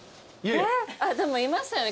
あっでもいましたよね